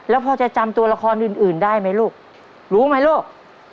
แล้วพอจะจำตัวละครอื่นอื่นได้มั้ยลูกรู้มั้ยลูก